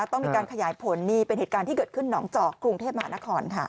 ต้องมีการขยายผลนี่เป็นเหตุการณ์ที่เกิดขึ้นหนองจอกกรุงเทพมหานครค่ะ